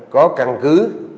có căn cứ